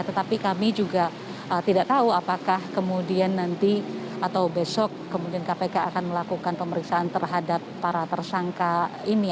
tetapi kami juga tidak tahu apakah kemudian nanti atau besok kemudian kpk akan melakukan pemeriksaan terhadap para tersangka ini